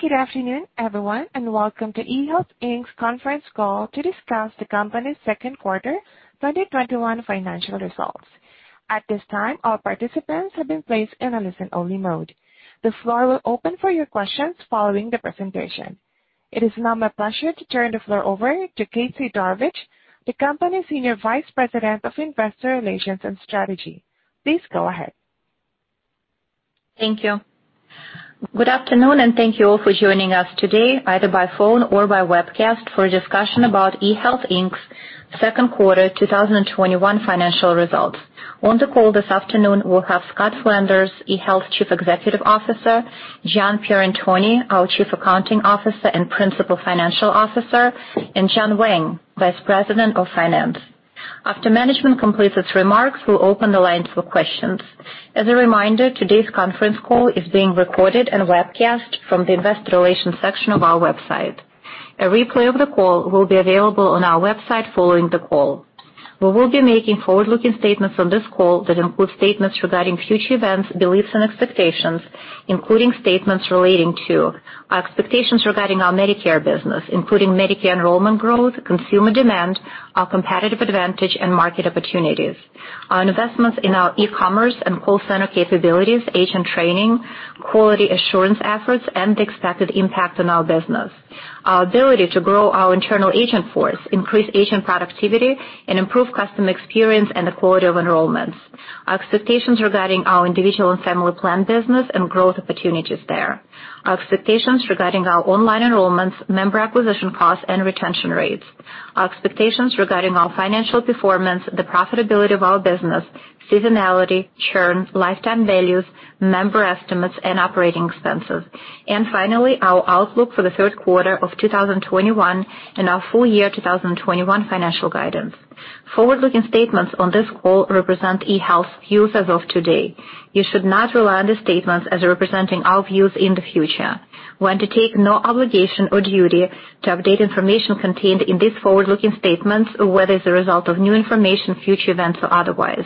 Good afternoon, everyone, and welcome to eHealth, Inc.'s conference call to discuss the company's second quarter 2021 financial results. At this time, all participants have been placed in a listen-only mode. The floor will open for your questions following the presentation. It is now my pleasure to turn the floor over to Kate Sidorovich, the company's Senior Vice President of Investor Relations and Strategy. Please go ahead. Thank you. Good afternoon, and thank you all for joining us today, either by phone or by webcast, for a discussion about eHealth, Inc.'s second quarter 2021 financial results. On the call this afternoon, we'll have Scott Flanders, eHealth Chief Executive Officer, John Pierantoni, our Chief Accounting Officer and Principal Financial Officer, and John Wang, Vice President of Finance. After management completes its remarks, we'll open the lines for questions. As a reminder, today's conference call is being recorded and webcast from the investor relations section of our website. A replay of the call will be available on our website following the call. We will be making forward-looking statements on this call that include statements regarding future events, beliefs, and expectations, including statements relating to our expectations regarding our Medicare business, including Medicare enrollment growth, consumer demand, our competitive advantage, and market opportunities, on investments in our e-commerce and call center capabilities, agent training, quality assurance efforts, and the expected impact on our business, our ability to grow our internal agent force, increase agent productivity, and improve customer experience and the quality of enrollments, our expectations regarding our Individual and Family Plans business and growth opportunities there, our expectations regarding our online enrollments, member acquisition costs, and retention rates, our expectations regarding our financial performance, the profitability of our business, seasonality, churn, lifetime values, member estimates, and operating expenses, and finally, our outlook for the third quarter of 2021 and our full year 2021 financial guidance. Forward-looking statements on this call represent eHealth's views as of today. You should not rely on the statements as representing our views in the future. We undertake no obligation or duty to update information contained in these forward-looking statements, whether as a result of new information, future events, or otherwise.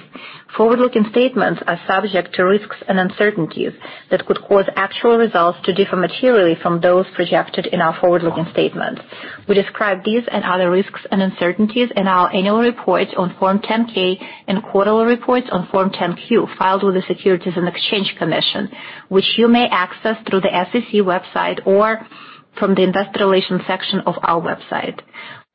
Forward-looking statements are subject to risks and uncertainties that could cause actual results to differ materially from those projected in our forward-looking statements. We describe these and other risks and uncertainties in our annual report on Form 10-K and quarterly reports on Form 10-Q filed with the Securities and Exchange Commission, which you may access through the SEC website or from the investor relations section of our website.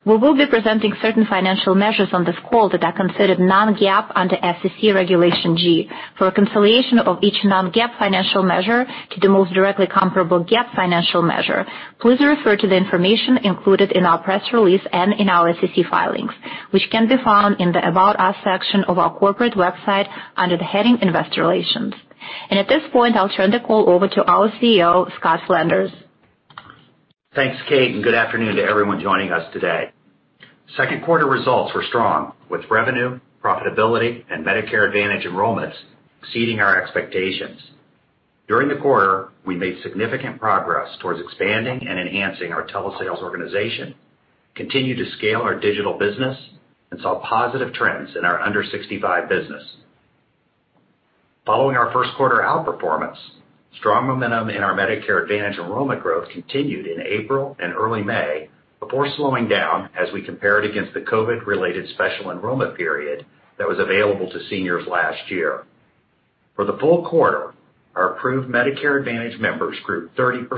We will be presenting certain financial measures on this call that are considered non-GAAP under SEC Regulation G. For a reconciliation of each non-GAAP financial measure to the most directly comparable GAAP financial measure, please refer to the information included in our press release and in our SEC filings, which can be found in the About Us section of our corporate website under the heading Investor Relations. At this point, I'll turn the call over to our CEO, Scott Flanders. Thanks, Kate, and good afternoon to everyone joining us today. Second quarter results were strong, with revenue, profitability, and Medicare Advantage enrollments exceeding our expectations. During the quarter, we made significant progress towards expanding and enhancing our telesales organization, continued to scale our digital business, and saw positive trends in our under 65 business. Following our first quarter outperformance, strong momentum in our Medicare Advantage enrollment growth continued in April and early May before slowing down as we compared against the COVID related special enrollment period that was available to seniors last year. For the full quarter, our approved Medicare Advantage members grew 30%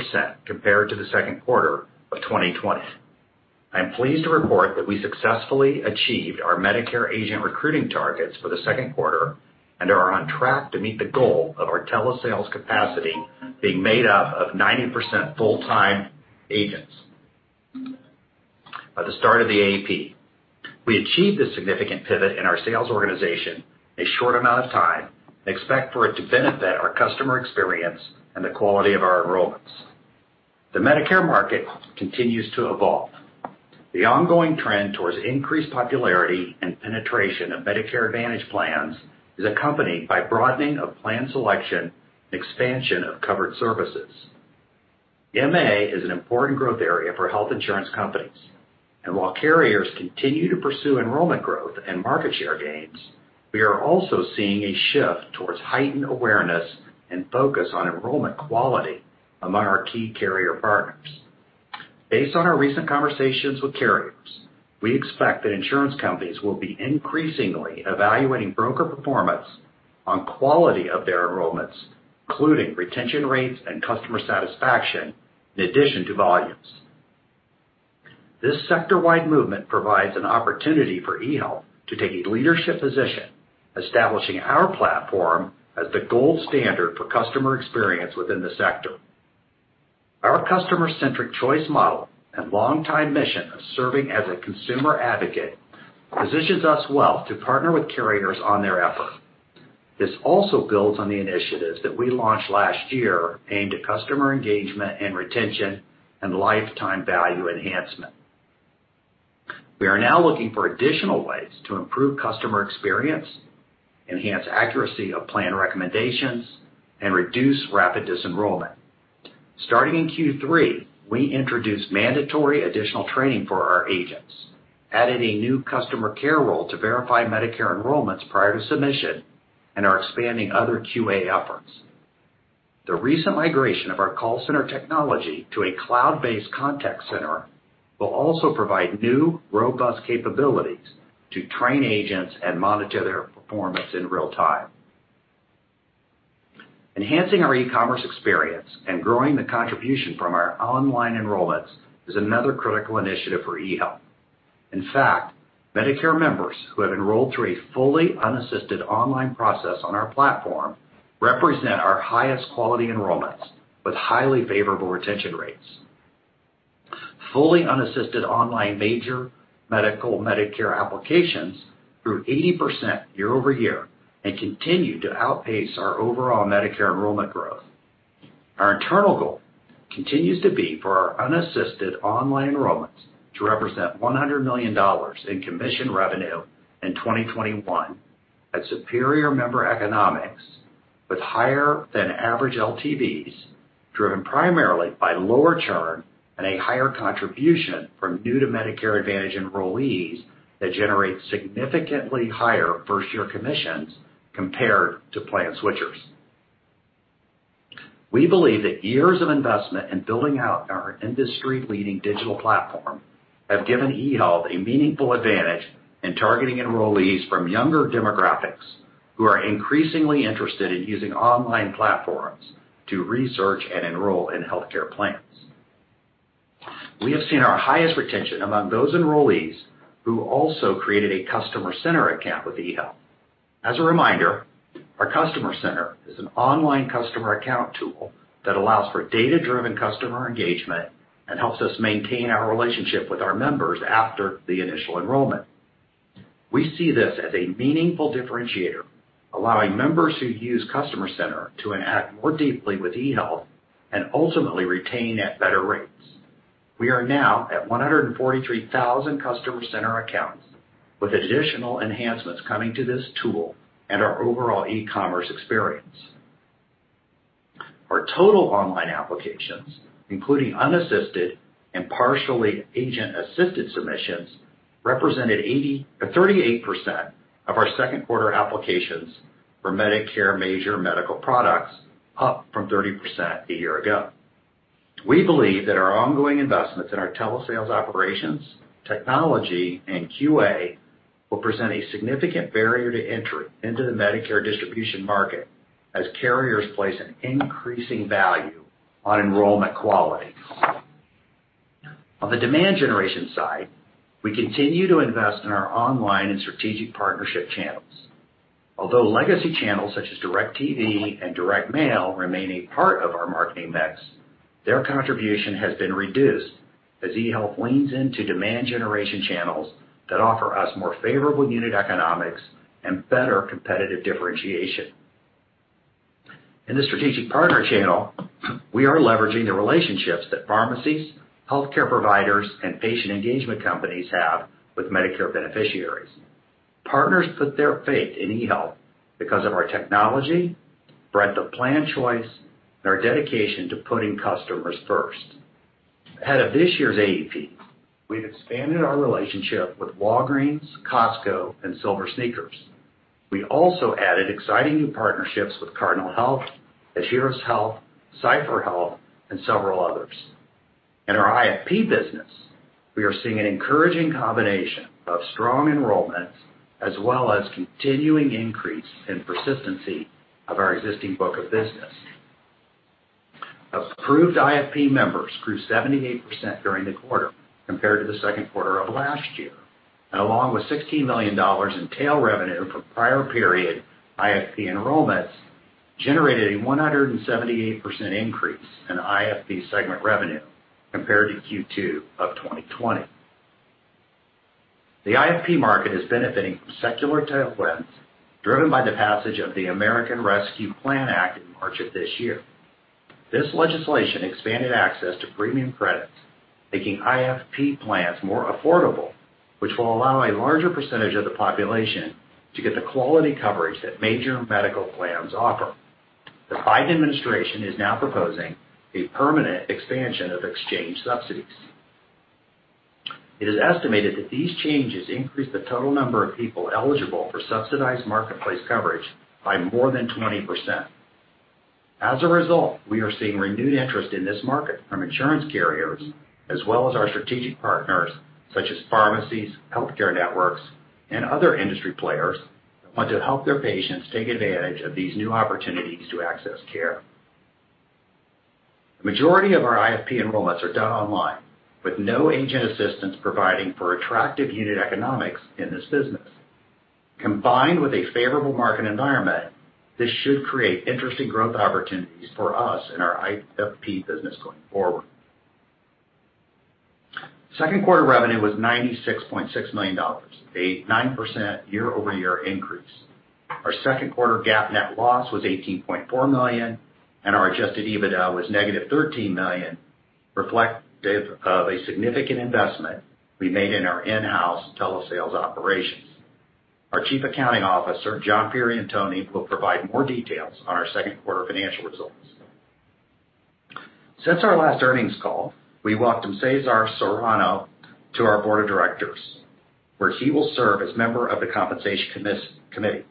compared to the second quarter of 2020. I am pleased to report that we successfully achieved our Medicare agent recruiting targets for the second quarter and are on track to meet the goal of our telesales capacity being made up of 90% full-time agents by the start of the AEP. We achieved this significant pivot in our sales organization in a short amount of time and expect for it to benefit our customer experience and the quality of our enrollments. The Medicare market continues to evolve. The ongoing trend towards increased popularity and penetration of Medicare Advantage plans is accompanied by broadening of plan selection and expansion of covered services. MA is an important growth area for health insurance companies, and while carriers continue to pursue enrollment growth and market share gains, we are also seeing a shift towards heightened awareness and focus on enrollment quality among our key carrier partners. Based on our recent conversations with carriers, we expect that insurance companies will be increasingly evaluating broker performance on quality of their enrollments, including retention rates and customer satisfaction, in addition to volumes. This sector-wide movement provides an opportunity for eHealth to take a leadership position, establishing our platform as the gold standard for customer experience within the sector. Our customer-centric choice model and longtime mission of serving as a consumer advocate positions us well to partner with carriers on their effort. This also builds on the initiatives that we launched last year aimed at customer engagement and retention and lifetime value enhancement. We are now looking for additional ways to improve customer experience, enhance accuracy of plan recommendations, and reduce rapid disenrollment. Starting in Q3, we introduced mandatory additional training for our agents, added a new Customer Care role to verify Medicare enrollments prior to submission, and are expanding other QA efforts. The recent migration of our call center technology to a cloud-based contact center will also provide new, robust capabilities to train agents and monitor their performance in real time. Enhancing our e-commerce experience and growing the contribution from our online enrollments is another critical initiative for eHealth. In fact, Medicare members who have enrolled through a fully unassisted online process on our platform represent our highest quality enrollments, with highly favorable retention rates. Fully unassisted online major medical Medicare applications grew 80% year-over-year and continue to outpace our overall Medicare enrollment growth. Our internal goal continues to be for our unassisted online enrollments to represent $100 million in commission revenue in 2021 at superior member economics with higher than average LTVs, driven primarily by lower churn and a higher contribution from new-to-Medicare Advantage enrollees that generate significantly higher first-year commissions compared to plan switchers. We believe that years of investment in building out our industry-leading digital platform have given eHealth a meaningful advantage in targeting enrollees from younger demographics who are increasingly interested in using online platforms to research and enroll in healthcare plans. We have seen our highest retention among those enrollees who also created a Customer Center account with eHealth. As a reminder, our Customer Center is an online customer account tool that allows for data-driven customer engagement and helps us maintain our relationship with our members after the initial enrollment. We see this as a meaningful differentiator, allowing members who use Customer Care Center to interact more deeply with eHealth and ultimately retain at better rates. We are now at 143,000 Customer Care Center accounts, with additional enhancements coming to this tool and our overall e-commerce experience. Our total online applications, including unassisted and partially agent-assisted submissions, represented 38% of our second quarter applications for Medicare major medical products, up from 30% a year ago. We believe that our ongoing investments in our telesales operations, technology, and QA will present a significant barrier to entry into the Medicare distribution market as carriers place an increasing value on enrollment quality. On the demand generation side, we continue to invest in our online and strategic partnership channels. Although legacy channels such as DIRECTV and direct mail remain a part of our marketing mix, their contribution has been reduced as eHealth leans into demand generation channels that offer us more favorable unit economics and better competitive differentiation. In the strategic partner channel, we are leveraging the relationships that pharmacies, healthcare providers, and patient engagement companies have with Medicare beneficiaries. Partners put their faith in eHealth because of our technology, breadth of plan choice, and our dedication to putting customers first. Ahead of this year's AEP, we've expanded our relationship with Walgreens, Costco, and SilverSneakers. We also added exciting new partnerships with Cardinal Health, Aetna, CipherHealth, and several others. In our IFP business, we are seeing an encouraging combination of strong enrollments as well as continuing increase in persistency of our existing book of business. Approved IFP members grew 78% during the quarter compared to the second quarter of last year, and along with $16 million in tail revenue for prior period IFP enrollments, generated a 178% increase in IFP segment revenue compared to Q2 of 2020. The IFP market is benefiting from secular tailwinds, driven by the passage of the American Rescue Plan Act in March of this year. This legislation expanded access to premium credits, making IFP plans more affordable, which will allow a larger percentage of the population to get the quality coverage that major medical plans offer. The Biden administration is now proposing a permanent expansion of exchange subsidies. It is estimated that these changes increase the total number of people eligible for subsidized marketplace coverage by more than 20%. As a result, we are seeing renewed interest in this market from insurance carriers, as well as our strategic partners such as pharmacies, healthcare networks, and other industry players who want to help their patients take advantage of these new opportunities to access care. The majority of our IFP enrollments are done online, with no agent assistance providing for attractive unit economics in this business. Combined with a favorable market environment, this should create interesting growth opportunities for us in our IFP business going forward. Second quarter revenue was $96.6 million, a 9% year-over-year increase. Our second quarter GAAP net loss was $18.4 million, and our adjusted EBITDA was negative $13 million, reflective of a significant investment we made in our in-house telesales operations. Our Chief Accounting Officer, John Pierantoni, will provide more details on our second quarter financial results. Since our last earnings call, we welcomed Cesar Soriano to our board of directors, where he will serve as member of the compensation committee.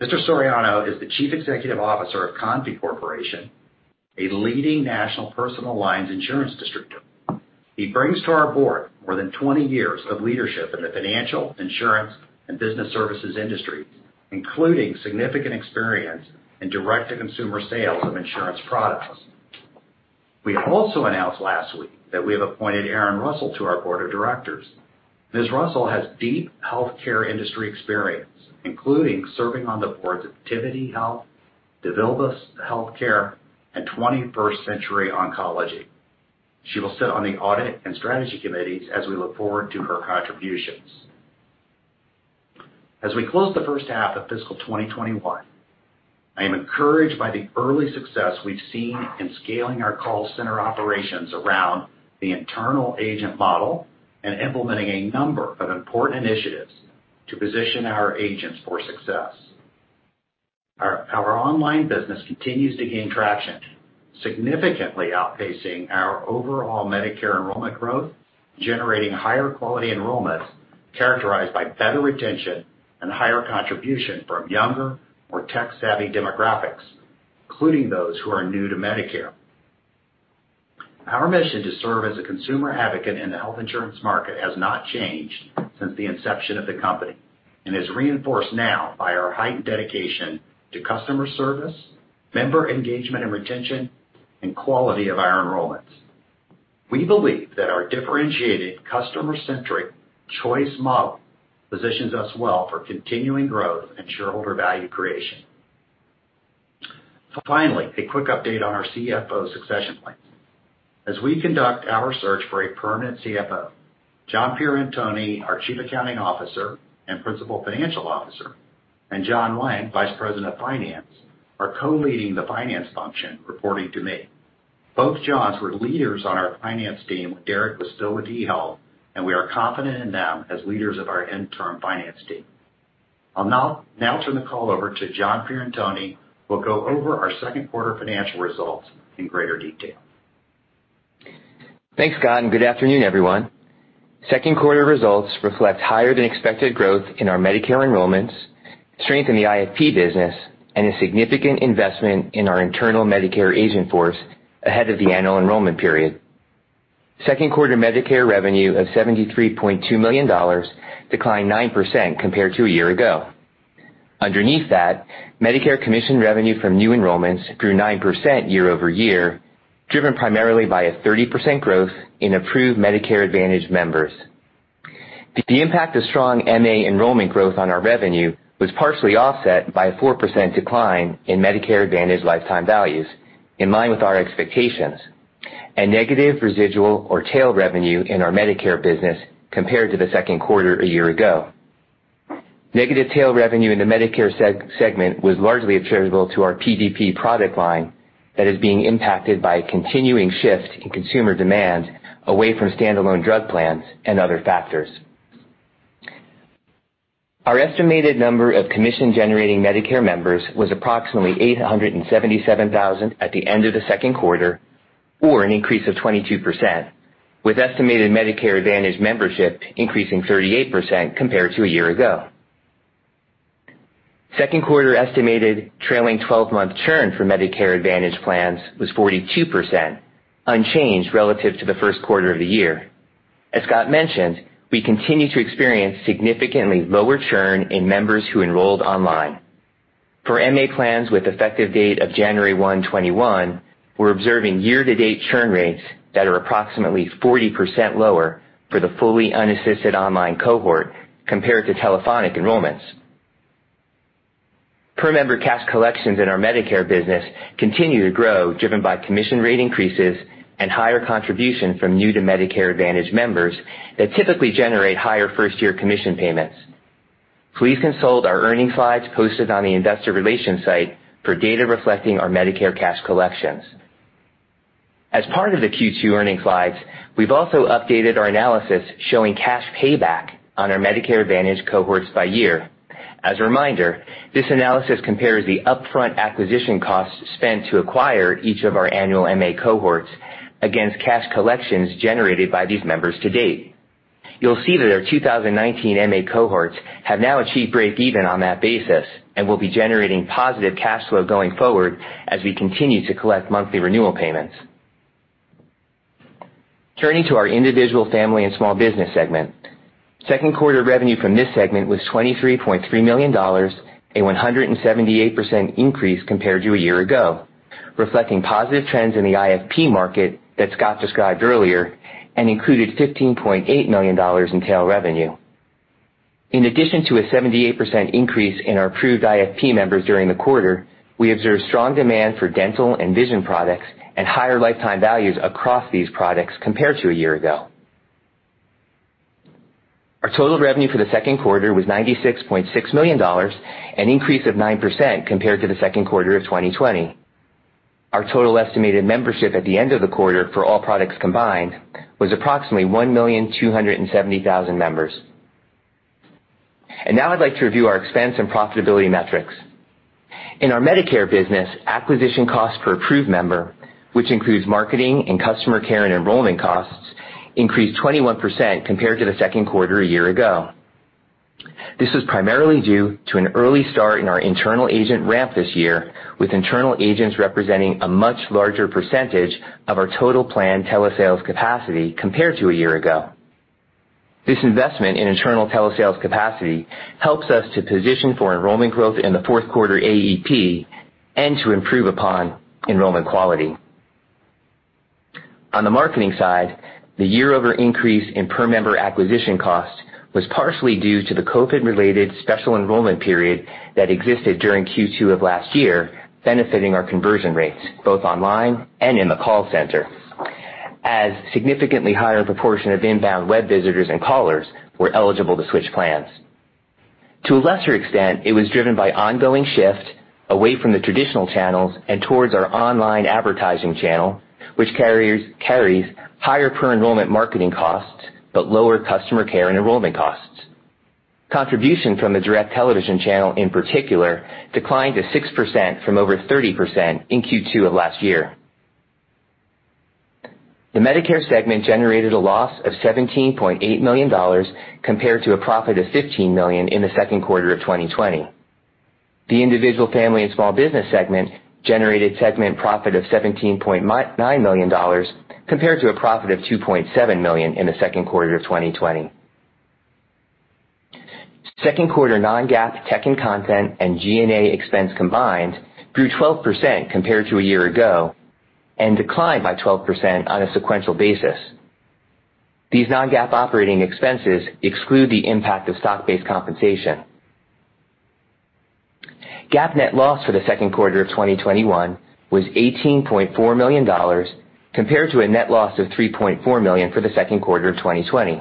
Mr. Soriano is the Chief Executive Officer of Confie Corporation, a leading national personal lines insurance distributor. He brings to our board more than 20 years of leadership in the financial, insurance, and business services industry, including significant experience in direct-to-consumer sales of insurance products. We also announced last week that we have appointed Erin Russell to our board of directors. Ms. Russell has deep healthcare industry experience, including serving on the boards of Tivity Health, DeVilbiss Healthcare, and 21st Century Oncology. She will sit on the audit and strategy committees as we look forward to her contributions. As we close the first half of fiscal 2021, I am encouraged by the early success we've seen in scaling our call center operations around the internal agent model and implementing a number of important initiatives to position our agents for success. Our online business continues to gain traction, significantly outpacing our overall Medicare enrollment growth, generating higher quality enrollments characterized by better retention and higher contribution from younger, more tech-savvy demographics, including those who are new to Medicare. Our mission to serve as a consumer advocate in the health insurance market has not changed since the inception of the company and is reinforced now by our heightened dedication to customer service, member engagement and retention, and quality of our enrollments. We believe that our differentiated customer-centric choice model positions us well for continuing growth and shareholder value creation. Finally, a quick update on our CFO succession plan. As we conduct our search for a permanent CFO, John Pierantoni, our Chief Accounting Officer and Principal Financial Officer, and John Wang, Vice President of Finance, are co-leading the finance function, reporting to me. Both Johns were leaders on our finance team when Derek was still with eHealth, and we are confident in them as leaders of our interim finance team. I'll now turn the call over to John Pierantoni, who will go over our second quarter financial results in greater detail. Thanks, Scott. Good afternoon, everyone. Second quarter results reflect higher than expected growth in our Medicare enrollments, strength in the IFP business, and a significant investment in our internal Medicare agent force ahead of the Annual Enrollment Period. Second quarter Medicare revenue of $73.2 million declined 9% compared to a year ago. Underneath that, Medicare commission revenue from new enrollments grew 9% year-over-year, driven primarily by a 30% growth in approved Medicare Advantage members. The impact of strong MA enrollment growth on our revenue was partially offset by a 4% decline in Medicare Advantage lifetime values, in line with our expectations, and negative residual or tail revenue in our Medicare business compared to the second quarter a year ago. Negative tail revenue in the Medicare segment was largely attributable to our PDP product line that is being impacted by a continuing shift in consumer demand away from standalone drug plans and other factors. Our estimated number of commission-generating Medicare members was approximately 877,000 at the end of the second quarter, or an increase of 22%, with estimated Medicare Advantage membership increasing 38% compared to a year ago. Second quarter estimated trailing 12-month churn for Medicare Advantage plans was 42%, unchanged relative to the first quarter of the year. As Scott mentioned, we continue to experience significantly lower churn in members who enrolled online. For MA plans with effective date of January 1, 2021, we're observing year-to-date churn rates that are approximately 40% lower for the fully unassisted online cohort compared to telephonic enrollments. Per-member cash collections in our Medicare business continue to grow, driven by commission rate increases and higher contribution from new to Medicare Advantage members that typically generate higher first-year commission payments. Please consult our earnings slides posted on the investor relations site for data reflecting our Medicare cash collections. As part of the Q2 earnings slides, we've also updated our analysis showing cash payback on our Medicare Advantage cohorts by year. As a reminder, this analysis compares the upfront acquisition costs spent to acquire each of our annual MA cohorts against cash collections generated by these members to date. You'll see that our 2019 MA cohorts have now achieved breakeven on that basis and will be generating positive cash flow going forward as we continue to collect monthly renewal payments. Turning to our individual family and small business segment. Second quarter revenue from this segment was $23.3 million, a 178% increase compared to a year ago, reflecting positive trends in the IFP market that Scott described earlier, and included $15.8 million in tail revenue. In addition to a 78% increase in our approved IFP members during the quarter, we observed strong demand for dental and vision products and higher lifetime values across these products compared to a year ago. Our total revenue for the second quarter was $96.6 million, an increase of 9% compared to the second quarter of 2020. Our total estimated membership at the end of the quarter for all products combined was approximately 1,270,000 members. Now I'd like to review our expense and profitability metrics. In our Medicare business, acquisition cost per approved member, which includes marketing and customer care and enrollment costs, increased 21% compared to the second quarter a year ago. This was primarily due to an early start in our internal agent ramp this year, with internal agents representing a much larger percentage of our total planned telesales capacity compared to a year ago. This investment in internal telesales capacity helps us to position for enrollment growth in the fourth quarter AEP and to improve upon enrollment quality. On the marketing side, the year-over increase in per member acquisition cost was partially due to the COVID related special enrollment period that existed during Q2 of last year, benefiting our conversion rates, both online and in the call center. Significantly higher proportion of inbound web visitors and callers were eligible to switch plans. To a lesser extent, it was driven by ongoing shift away from the traditional channels and towards our online advertising channel, which carries higher per enrollment marketing costs, but lower customer care and enrollment costs. Contribution from the DIRECTV channel in particular, declined to 6% from over 30% in Q2 of last year. The Medicare segment generated a loss of $17.8 million compared to a profit of $15 million in the second quarter of 2020. The individual family and small business segment generated segment profit of $17.9 million compared to a profit of $2.7 million in the second quarter of 2020. Second quarter non-GAAP tech and content and G&A expense combined grew 12% compared to a year ago and declined by 12% on a sequential basis. These non-GAAP operating expenses exclude the impact of stock-based compensation. GAAP net loss for the second quarter of 2021 was $18.4 million compared to a net loss of $3.4 million for the second quarter of 2020.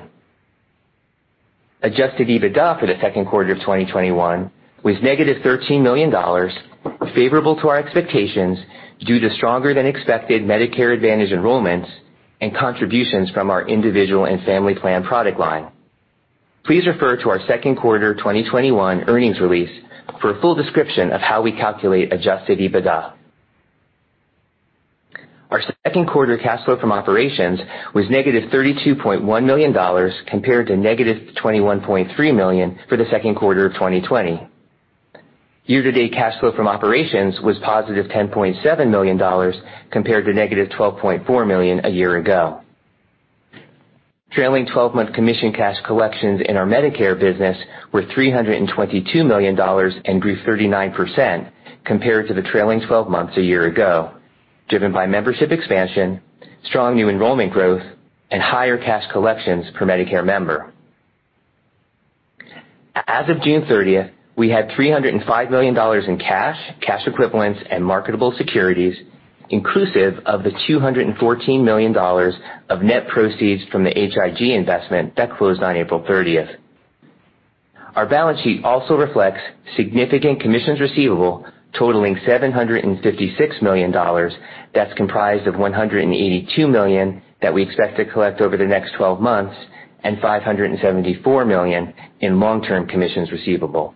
Adjusted EBITDA for the second quarter of 2021 was -$13 million, favorable to our expectations due to stronger than expected Medicare Advantage enrollments and contributions from our Individual and Family Plan product line. Please refer to our second quarter 2021 earnings release for a full description of how we calculate Adjusted EBITDA. Our second quarter cash flow from operations was -$32.1 million, compared to -$21.3 million for the second quarter of 2020. Year-to-date cash flow from operations was +$10.7 million compared to -$12.4 million a year ago. Trailing 12-month commission cash collections in our Medicare business were $322 million and grew 39% compared to the trailing 12 months a year ago, given by membership expansion, strong new enrollment growth, and higher cash collections per Medicare member. As of June 30th, we had $305 million in cash equivalents, and marketable securities, inclusive of the $214 million of net proceeds from the H.I.G. investment that closed on April 30th. Our balance sheet also reflects significant commissions receivable totaling $756 million. That's comprised of $182 million that we expect to collect over the next 12 months and $574 million in long-term commissions receivable.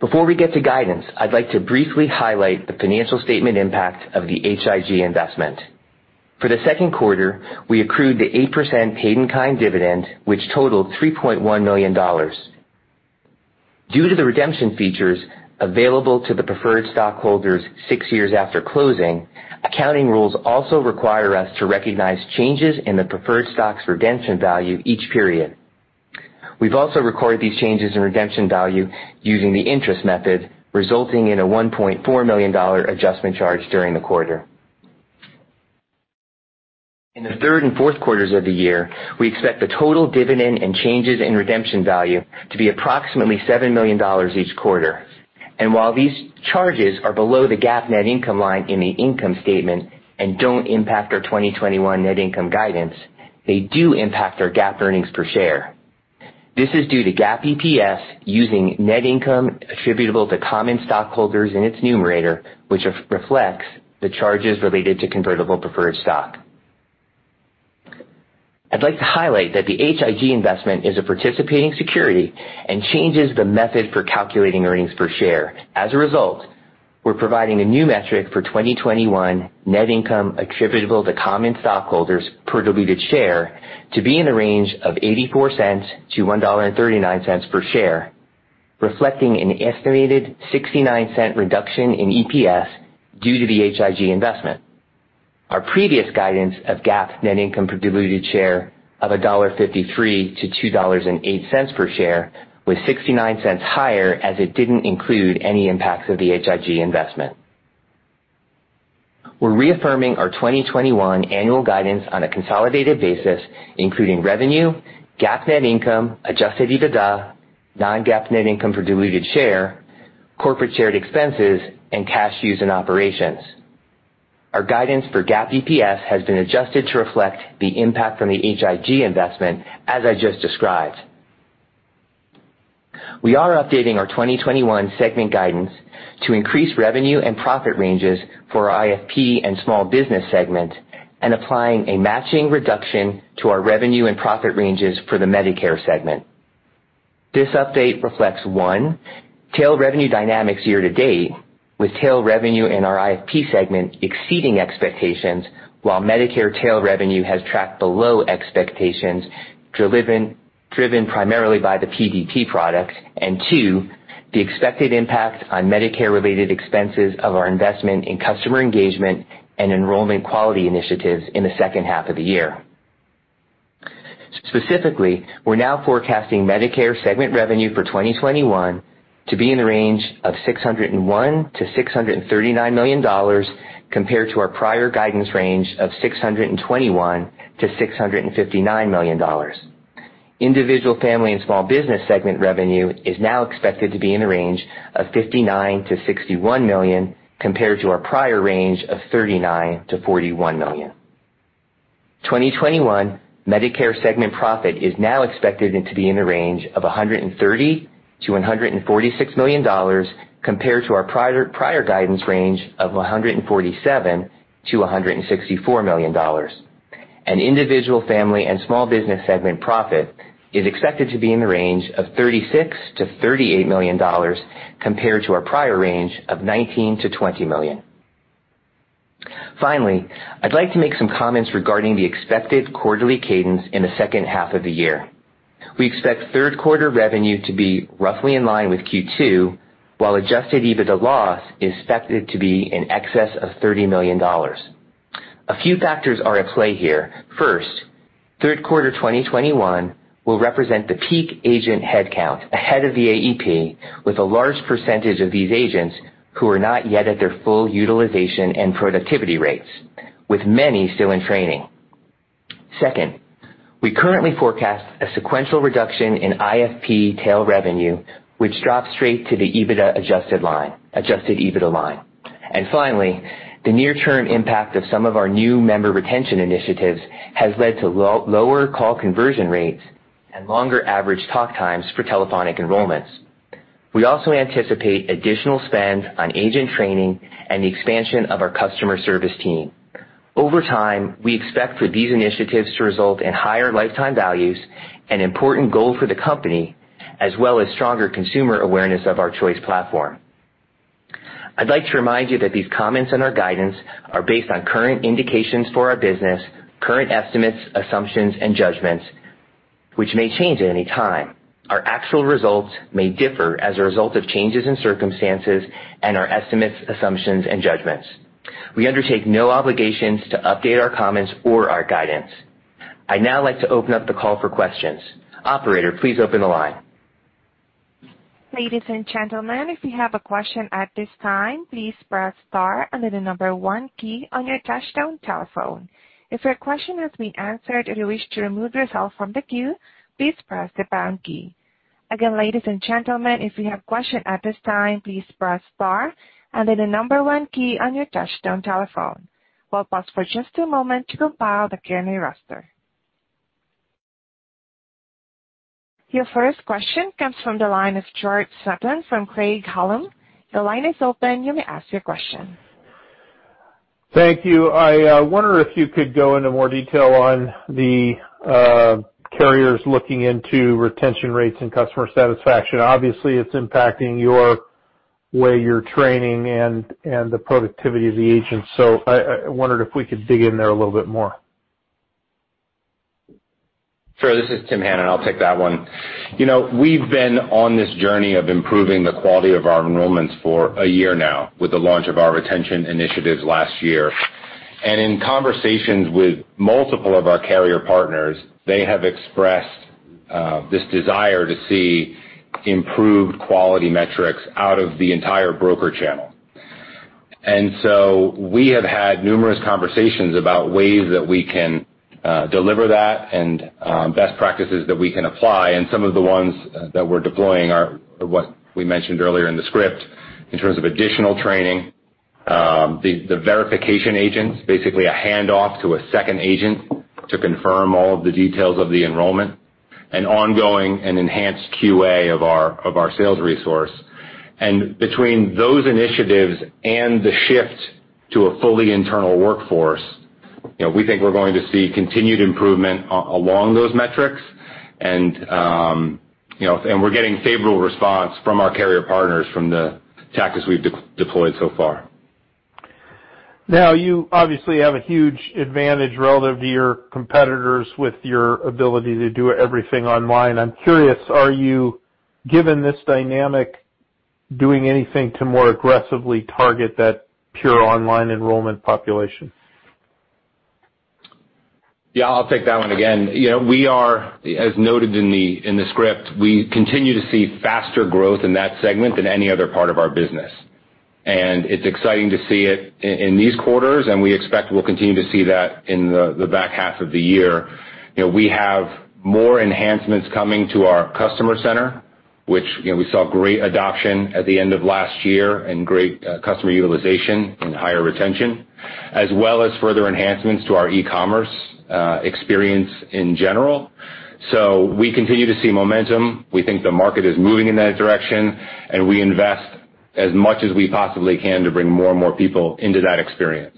Before we get to guidance, I'd like to briefly highlight the financial statement impact of the H.I.G. investment. For the second quarter, we accrued the 8% paid-in-kind dividend, which totaled $3.1 million. Due to the redemption features available to the preferred stockholders six years after closing, accounting rules also require us to recognize changes in the preferred stock's redemption value each period. We've also recorded these changes in redemption value using the interest method, resulting in a $1.4 million adjustment charge during the quarter. In the third and fourth quarters of the year, we expect the total dividend and changes in redemption value to be approximately $7 million each quarter. While these charges are below the GAAP net income line in the income statement and don't impact our 2021 net income guidance, they do impact our GAAP earnings per share. This is due to GAAP EPS using net income attributable to common stockholders in its numerator, which reflects the charges related to convertible preferred stock. I'd like to highlight that the H.I.G. investment is a participating security and changes the method for calculating earnings per share. As a result, we're providing a new metric for 2021 net income attributable to common stockholders per diluted share to be in the range of $0.84-$1.39 per share, reflecting an estimated $0.69 reduction in EPS due to the H.I.G. investment. Our previous guidance of GAAP net income per diluted share of $1.53-$2.08 per share was $0.69 higher as it didn't include any impacts of the HIG investment. We're reaffirming our 2021 annual guidance on a consolidated basis, including revenue, GAAP net income, adjusted EBITDA, non-GAAP net income per diluted share, corporate shared expenses, and cash used in operations. Our guidance for GAAP EPS has been adjusted to reflect the impact from the HIG investment, as I just described. We are updating our 2021 segment guidance to increase revenue and profit ranges for our IFP and small business segment and applying a matching reduction to our revenue and profit ranges for the Medicare segment. This update reflects, one, tail revenue dynamics year to date, with tail revenue in our IFP segment exceeding expectations, while Medicare tail revenue has tracked below expectations, driven primarily by the PDP product, and two, the expected impact on Medicare-related expenses of our investment in customer engagement and enrollment quality initiatives in the second half of the year. We're now forecasting Medicare segment revenue for 2021 to be in the range of $601 million-$639 million, compared to our prior guidance range of $621 million-$659 million. Individual family and small business segment revenue is now expected to be in the range of $59 million-$61 million, compared to our prior range of $39 million-$41 million. 2021 Medicare segment profit is now expected to be in the range of $130 million-$146 million, compared to our prior guidance range of $147 million-$164 million. Individual family and small business segment profit is expected to be in the range of $36 million-$38 million, compared to our prior range of $19 million-$20 million. Finally, I'd like to make some comments regarding the expected quarterly cadence in the second half of the year. We expect third quarter revenue to be roughly in line with Q2, while adjusted EBITDA loss is expected to be in excess of $30 million. A few factors are at play here. First, third quarter 2021 will represent the peak agent headcount ahead of the AEP, with a large percentage of these agents who are not yet at their full utilization and productivity rates, with many still in training. Second, we currently forecast a sequential reduction in IFP tail revenue, which drops straight to the adjusted EBITDA line. Finally, the near-term impact of some of our new member retention initiatives has led to lower call conversion rates and longer average talk times for telephonic enrollments. We also anticipate additional spend on agent training and the expansion of our customer service team. Over time, we expect for these initiatives to result in higher lifetime values and important goal for the company, as well as stronger consumer awareness of our choice platform. I'd like to remind you that these comments and our guidance are based on current indications for our business, current estimates, assumptions, and judgments, which may change at any time. Our actual results may differ as a result of changes in circumstances and our estimates, assumptions, and judgments. We undertake no obligations to update our comments or our guidance. I'd now like to open up the call for questions. Operator, please open the line. We'll pause for just a moment to compile the Q&A roster. Your first question comes from the line of George Sutton from Craig-Hallum. Your line is open. You may ask your question. Thank you. I wonder if you could go into more detail on the carriers looking into retention rates and customer satisfaction. Obviously, it's impacting your way you're training and the productivity of the agents. I wondered if we could dig in there a little bit more. Sure. This is Tim Hannan. I'll take that one. We've been on this journey of improving the quality of our enrollments for a year now with the launch of our retention initiatives last year. In conversations with multiple of our carrier partners, they have expressed this desire to see improved quality metrics out of the entire broker channel. So we have had numerous conversations about ways that we can deliver that and best practices that we can apply. Some of the ones that we're deploying are what we mentioned earlier in the script in terms of additional training, the verification agents, basically a handoff to a second agent to confirm all of the details of the enrollment, and ongoing and enhanced QA of our sales resource. Between those initiatives and the shift to a fully internal workforce, we think we're going to see continued improvement along those metrics. We're getting favorable response from our carrier partners from the tactics we've deployed so far. You obviously have a huge advantage relative to your competitors with your ability to do everything online. I'm curious, are you, given this dynamic, doing anything to more aggressively target that pure online enrollment population? Yeah, I'll take that one again. As noted in the script, we continue to see faster growth in that segment than any other part of our business. It's exciting to see it in these quarters, and we expect we'll continue to see that in the back half of the year. We have more enhancements coming to our Customer center, which we saw great adoption at the end of last year and great customer utilization and higher retention. As well as further enhancements to our e-commerce experience in general. We continue to see momentum. We think the market is moving in that direction, and we invest as much as we possibly can to bring more and more people into that experience.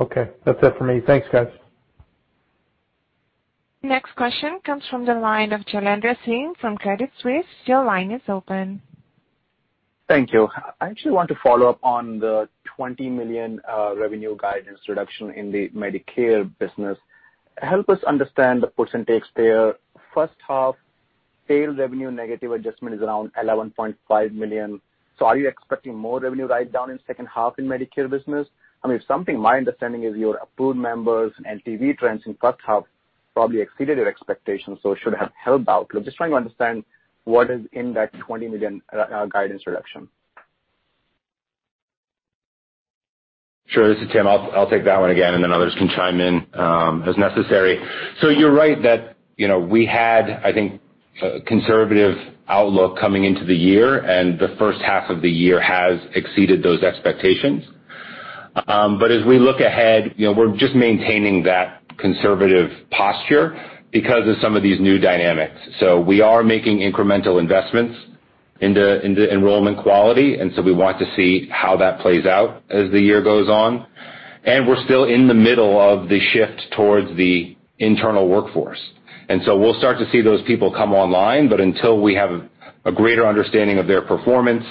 Okay. That's it for me. Thanks, guys. Next question comes from the line of Jailendra Singh from Credit Suisse. Your line is open. Thank you. I actually want to follow up on the $20 million revenue guidance reduction in the Medicare business. Help us understand the percentage there. First half tail revenue negative adjustment is around $11.5 million. Are you expecting more revenue write-down in second half in Medicare business? I mean, something in my understanding is your approved members LTV trends in first half probably exceeded your expectations, so it should have helped out. I'm just trying to understand what is in that $20 million guidance reduction. Sure. This is Tim. I'll take that one again. Others can chime in as necessary. You're right that we had, I think, a conservative outlook coming into the year. The first half of the year has exceeded those expectations. As we look ahead, we're just maintaining that conservative posture because of some of these new dynamics. We are making incremental investments into enrollment quality. We want to see how that plays out as the year goes on. We're still in the middle of the shift towards the internal workforce. We'll start to see those people come online. Until we have a greater understanding of their performance,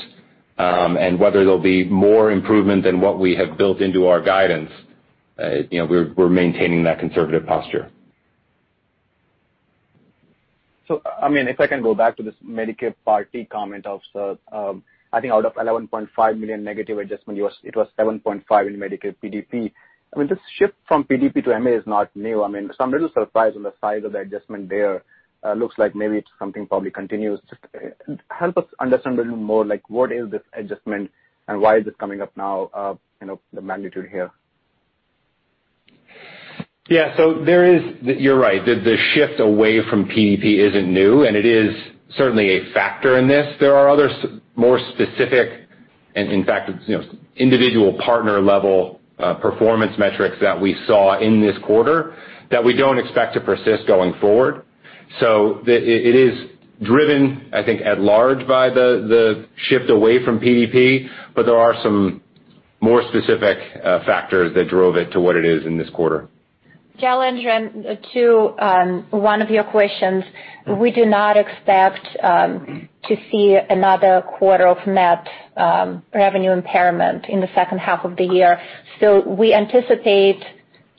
whether there'll be more improvement than what we have built into our guidance, we're maintaining that conservative posture. If I can go back to this Medicare Part D comment of, I think out of $11.5 million negative adjustment, it was $7.5 million in Medicare PDP. I mean, this shift from PDP to MA is not new. I mean, I'm a little surprised on the size of the adjustment there. Looks like maybe it's something probably continuous. Just help us understand a little more, what is this adjustment and why is this coming up now, the magnitude here? You're right. The shift away from PDP isn't new, and it is certainly a factor in this. There are other more specific, and in fact, individual partner-level performance metrics that we saw in this quarter that we don't expect to persist going forward. It is driven, I think, at large by the shift away from PDP, but there are some more specific factors that drove it to what it is in this quarter. Jailendra, to one of your questions, we do not expect to see another quarter of net revenue impairment in the second half of the year. We anticipate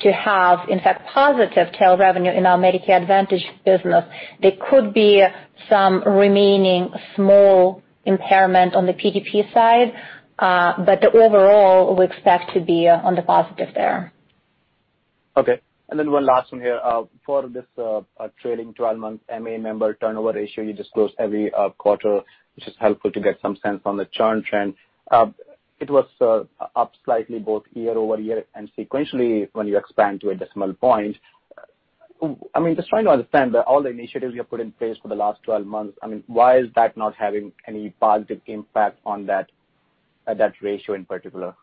to have, in fact, positive tail revenue in our Medicare Advantage business. There could be some remaining small impairment on the PDP side, but overall, we expect to be on the positive there. Okay. One last one here. For this trailing 12-month MA member turnover ratio you disclose every quarter, which is helpful to get some sense on the churn trend. It was up slightly both year-over-year and sequentially when you expand to a decimal point. I mean, just trying to understand all the initiatives you have put in place for the last 12 months, why is that not having any positive impact on that ratio in particular?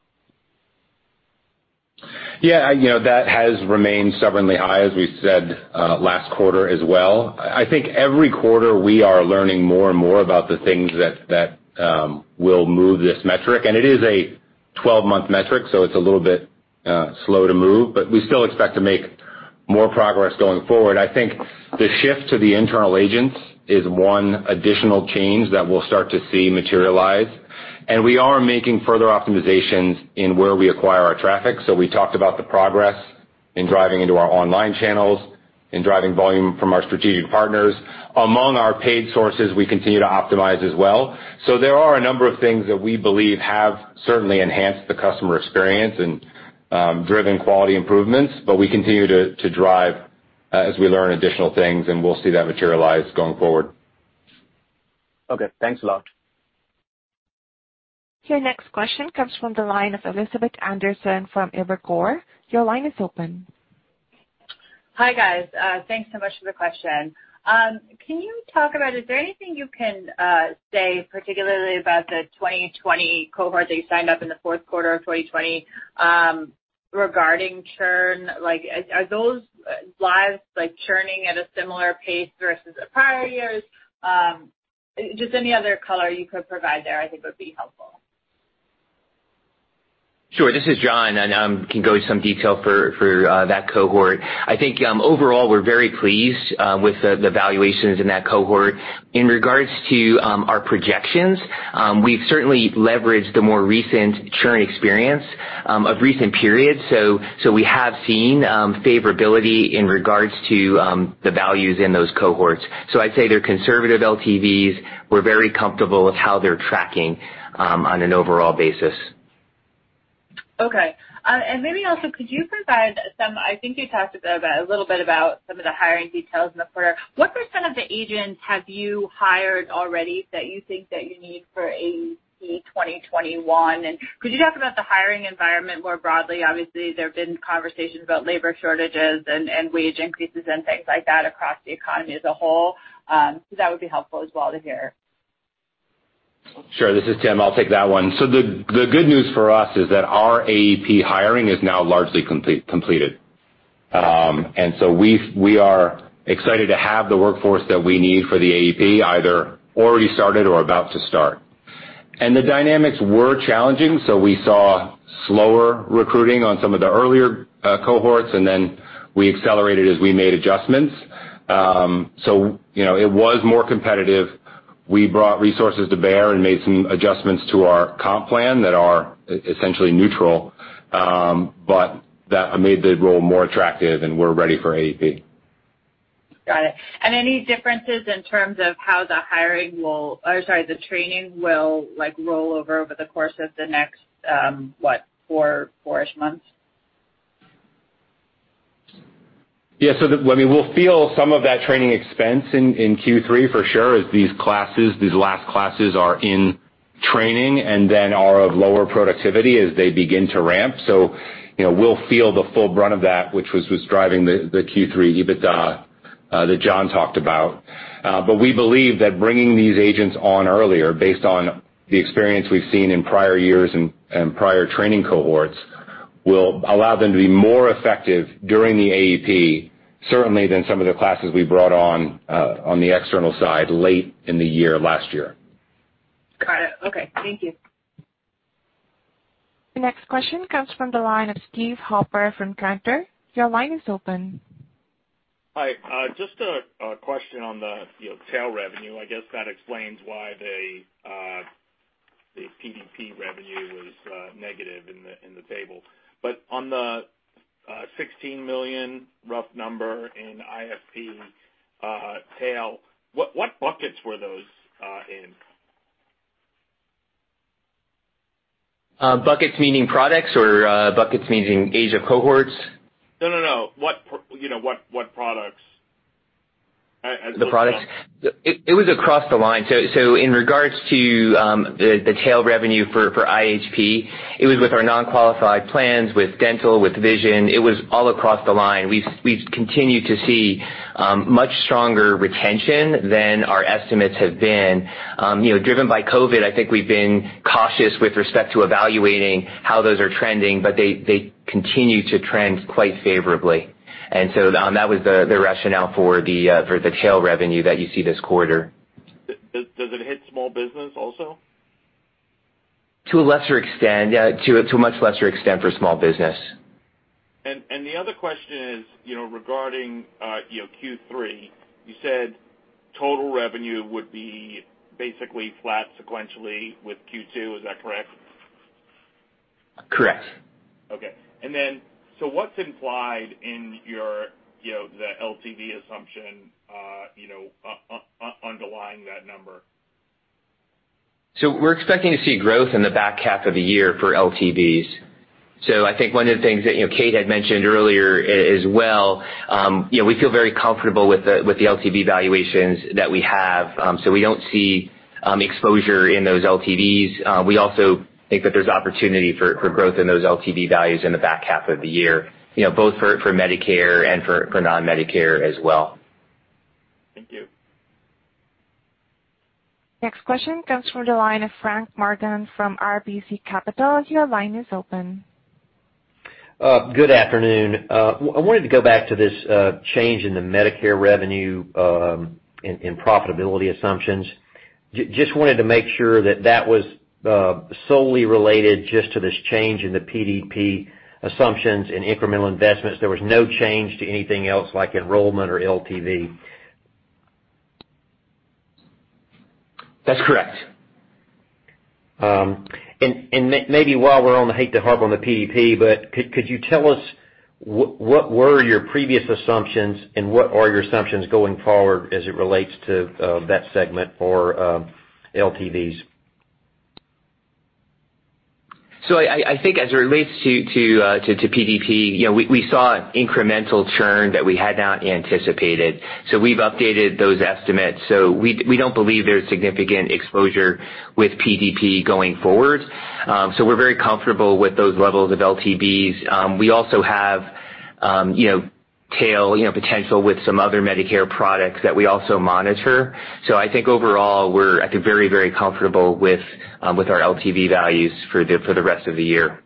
Yeah. That has remained stubbornly high, as we said last quarter as well. I think every quarter, we are learning more and more about the things that will move this metric, and it is a 12-month metric, so it's a little bit slow to move, but we still expect to make more progress going forward. I think the shift to the internal agents is one additional change that we'll start to see materialize, and we are making further optimizations in where we acquire our traffic. We talked about the progress in driving into our online channels, in driving volume from our strategic partners. Among our paid sources, we continue to optimize as well. There are a number of things that we believe have certainly enhanced the customer experience and driven quality improvements, but we continue to drive as we learn additional things, and we'll see that materialize going forward. Okay. Thanks a lot. Your next question comes from the line of Elizabeth Anderson from Evercore. Your line is open. Hi, guys. Thanks so much for the question. Is there anything you can say, particularly about the 2020 cohort that you signed up in the fourth quarter of 2020, regarding churn? Are those lives churning at a similar pace versus the prior years? Just any other color you could provide there, I think would be helpful. Sure. This is John. I can go into some detail for that cohort. I think, overall, we're very pleased with the valuations in that cohort. In regards to our projections, we've certainly leveraged the more recent churn experience of recent periods. We have seen favorability in regards to the values in those cohorts. I'd say they're conservative LTVs. We're very comfortable with how they're tracking on an overall basis. Okay. Maybe also, could you provide some, I think you talked a little bit about some of the hiring details in the quarter. What % of the agents have you hired already that you think that you need for AEP 2021? Could you talk about the hiring environment more broadly? Obviously, there have been conversations about labor shortages and wage increases and things like that across the economy as a whole. That would be helpful as well to hear. Sure. This is Tim, I'll take that one. The good news for us is that our AEP hiring is now largely completed. We are excited to have the workforce that we need for the AEP, either already started or about to start. The dynamics were challenging. We saw slower recruiting on some of the earlier cohorts, and then we accelerated as we made adjustments. It was more competitive. We brought resources to bear and made some adjustments to our comp plan that are essentially neutral, but that made the role more attractive, and we're ready for AEP. Got it. Any differences in terms of how the training will roll over over the course of the next, what, four-ish months? We'll feel some of that training expense in Q3 for sure as these last classes are in training and then are of lower productivity as they begin to ramp. We'll feel the full brunt of that, which was driving the Q3 EBITDA that John talked about. We believe that bringing these agents on earlier, based on the experience we've seen in prior years and prior training cohorts, will allow them to be more effective during the AEP, certainly than some of the classes we brought on the external side late in the year, last year. Got it. Okay. Thank you. The next question comes from the line of Steven Halper from Cantor. Your line is open. Hi. Just a question on the tail revenue. I guess that explains why the PDP revenue was negative in the table. On the $16 million rough number in IFP tail, what buckets were those in? Buckets meaning products or buckets meaning age of cohorts? No, what products? The products? It was across the line. In regards to the tail revenue for IFP, it was with our non-qualified plans, with dental, with vision. It was all across the line. We've continued to see much stronger retention than our estimates have been. Driven by COVID, I think we've been cautious with respect to evaluating how those are trending, but they continue to trend quite favorably. That was the rationale for the tail revenue that you see this quarter. Does it hit small business also? To a lesser extent, yeah. To a much lesser extent for small business. The other question is regarding Q3. You said total revenue would be basically flat sequentially with Q2. Is that correct? Correct. What's implied in the LTV assumption underlying that number? We're expecting to see growth in the back half of the year for LTVs. I think one of the things that Kate had mentioned earlier as well, we feel very comfortable with the LTV valuations that we have. We don't see exposure in those LTVs. We also think that there's opportunity for growth in those LTV values in the back half of the year, both for Medicare and for non-Medicare as well. Thank you. Next question comes from the line of Frank Morgan from RBC Capital. Your line is open. Good afternoon. I wanted to go back to this change in the Medicare revenue in profitability assumptions. Just wanted to make sure that that was solely related just to this change in the PDP assumptions and incremental investments. There was no change to anything else like enrollment or LTV. That's correct. Maybe while we're on the, hate to harp on the PDP, but could you tell us what were your previous assumptions and what are your assumptions going forward as it relates to that segment or LTVs? I think as it relates to PDP, we saw an incremental churn that we had not anticipated, so we've updated those estimates. We don't believe there's significant exposure with PDP going forward. We're very comfortable with those levels of LTVs. We also have tail potential with some other Medicare products that we also monitor. I think overall, we're very, very comfortable with our LTV values for the rest of the year.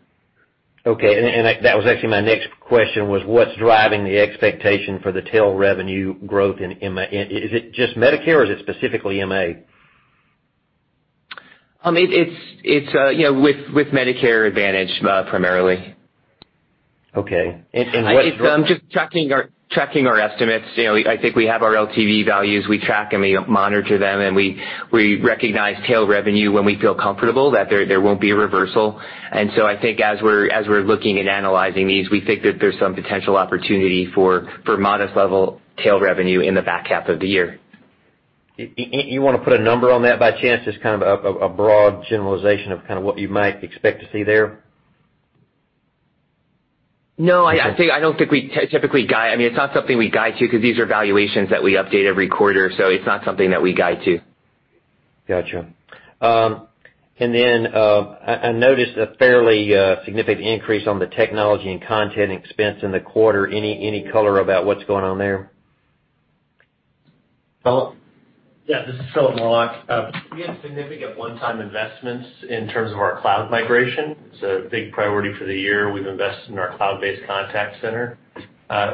Okay, that was actually my next question was, what's driving the expectation for the tail revenue growth in MA? Is it just Medicare or is it specifically MA? It's with Medicare Advantage, primarily. Okay. It's just tracking our estimates. I think we have our LTV values. We track and we monitor them, and we recognize tail revenue when we feel comfortable that there won't be a reversal. I think as we're looking and analyzing these, we think that there's some potential opportunity for modest level tail revenue in the back half of the year. You want to put a number on that by chance? Just kind of a broad generalization of kind of what you might expect to see there? No, I don't think we typically guide. It's not something we guide to because these are valuations that we update every quarter. It's not something that we guide to. Got you. Then, I noticed a fairly significant increase on the technology and content expense in the quarter. Any color about what's going on there? Phillip? Yeah, this is Phillip Morelock. We had significant one-time investments in terms of our cloud migration. It's a big priority for the year. We've invested in our cloud-based contact center.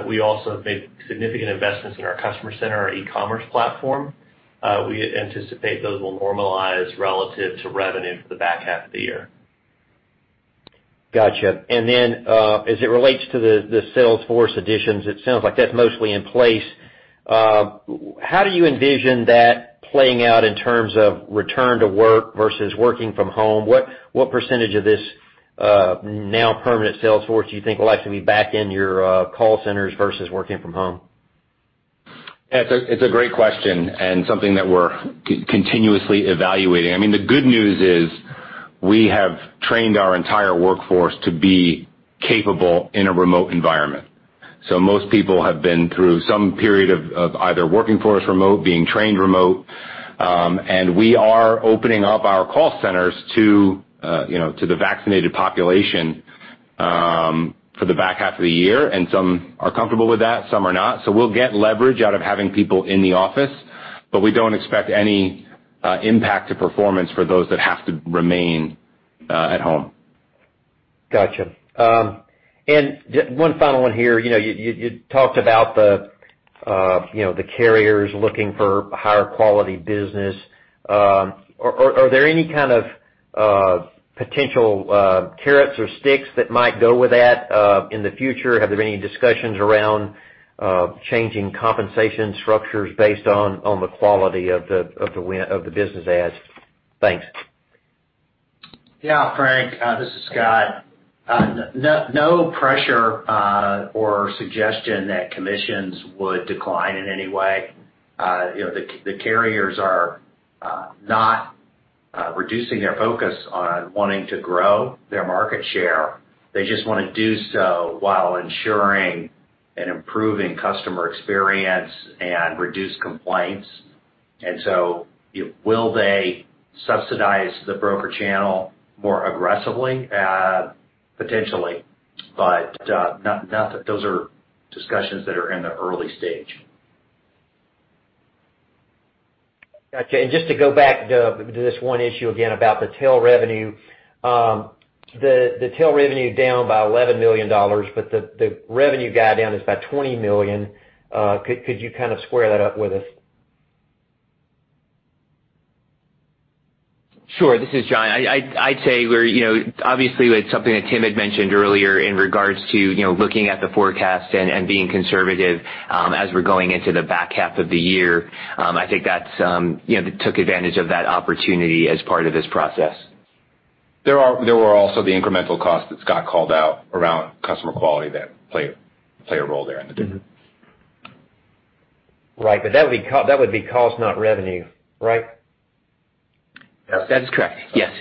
We also have made significant investments in our Customer Care Center, our e-commerce platform. We anticipate those will normalize relative to revenue for the back half of the year. Got you. As it relates to the sales force additions, it sounds like that's mostly in place. How do you envision that playing out in terms of return to work versus working from home? What percentage of this now permanent sales force do you think will actually be back in your call centers versus working from home? It's a great question and something that we're continuously evaluating. I mean, the good news is we have trained our entire workforce to be capable in a remote environment. Most people have been through some period of either working for us remote, being trained remote. We are opening up our call centers to the vaccinated population for the back half of the year. Some are comfortable with that, some are not. We'll get leverage out of having people in the office, but we don't expect any impact to performance for those that have to remain at home. Got you. One final one here. You talked about the carriers looking for higher quality business. Are there any kind of potential carrots or sticks that might go with that in the future? Have there been any discussions around changing compensation structures based on the quality of the business adds? Thanks. Yeah, Frank, this is Scott. No pressure or suggestion that commissions would decline in any way. The carriers are not reducing their focus on wanting to grow their market share. They just want to do so while ensuring and improving customer experience and reduce complaints. Will they subsidize the broker channel more aggressively? Potentially. Those are discussions that are in the early stage. Got you. Just to go back to this one issue again about the tail revenue. The tail revenue down by $11 million, but the revenue guide down is by $20 million. Could you kind of square that up with us? Sure. This is John. I'd say obviously it's something that Tim had mentioned earlier in regards to looking at the forecast and being conservative as we're going into the back half of the year. I think that took advantage of that opportunity as part of this process. There were also the incremental costs that Scott called out around customer quality that play a role there in the difference. Right. That would be cost, not revenue, right? That is correct. Yes.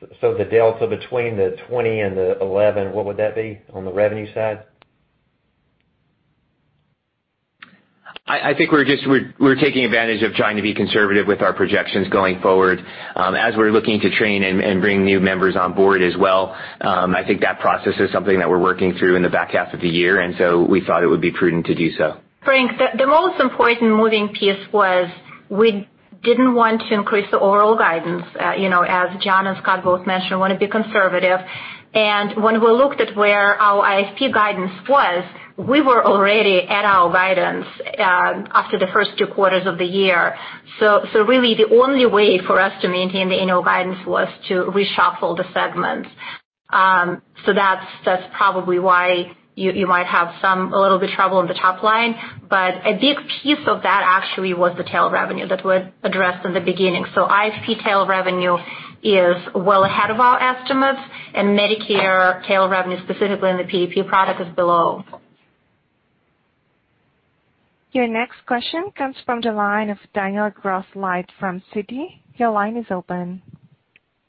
The delta between the $20 and the $11, what would that be on the revenue side? I think we're taking advantage of trying to be conservative with our projections going forward. As we're looking to train and bring new members on board as well, I think that process is something that we're working through in the back half of the year, and so we thought it would be prudent to do so. Frank, the most important moving piece was we didn't want to increase the overall guidance. As John and Scott both mentioned, we want to be conservative. When we looked at where our IFP guidance was, we were already at our guidance after the first two quarters of the year. Really the only way for us to maintain the annual guidance was to reshuffle the segments. That's probably why you might have a little bit of trouble on the top line, but a big piece of that actually was the tail revenue that was addressed in the beginning. IFP tail revenue is well ahead of our estimates, and Medicare tail revenue, specifically in the PDP product, is below. Your next question comes from the line of Daniel Grosslight from Citi. Your line is open.